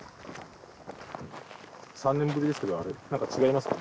３年ぶりですけど何か違いますか？